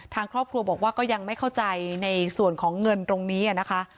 ทางครอบครัวบอกว่าก็ยังไม่เข้าใจในส่วนของเงินตรงนี้นะคะ